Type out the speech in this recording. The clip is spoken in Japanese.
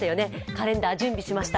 カレンダー、準備しました。